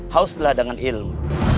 hauslah dengan ilmu